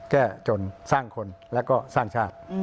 แก้จนสร้างคนและก็สร้างชาติ